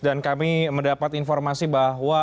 dan kami mendapat informasi bahwa